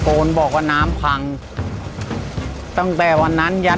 ขอเพียงคุณสามารถที่จะเอ่ยเอื้อนนะครับ